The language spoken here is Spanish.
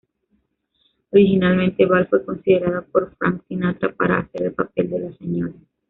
Originalmente, Ball fue considerada por Frank Sinatra para hacer el papel de la Sra.